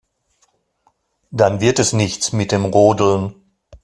Dann wird es nichts mit dem Rodeln.